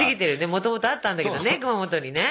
もともとあったんだけどね熊本にね。